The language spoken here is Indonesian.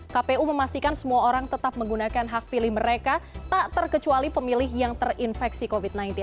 kpu memastikan semua orang tetap menggunakan hak pilih mereka tak terkecuali pemilih yang terinfeksi covid sembilan belas